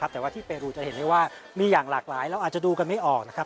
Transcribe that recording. แต่ว่าที่เปรูจะเห็นได้ว่ามีอย่างหลากหลายเราอาจจะดูกันไม่ออกนะครับ